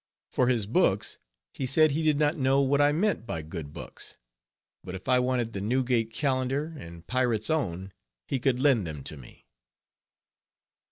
For his books, he said he did not know what I meant by good books; but if I wanted the Newgate Calendar, and Pirate's Own, he could lend them to me.